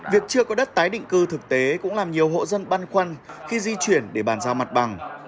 việc chưa có đất tái định cư thực tế cũng làm nhiều hộ dân băn khoăn khi di chuyển để bàn giao mặt bằng